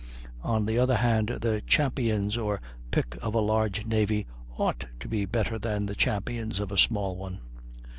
On the other hand, the champions or pick of a large navy ought to be better than the champions of a small one.